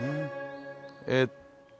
えっと